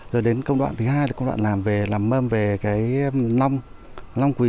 rồi đến công đoạn thứ hai là công đoạn làm mơm về cái long quỳ